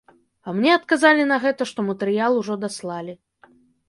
А мне адказалі на гэта, што матэрыял ужо даслалі.